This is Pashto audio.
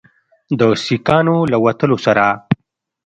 د سیکانو له وتلو سره